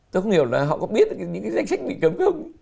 tôi không hiểu là họ có biết những danh sách bị cấm không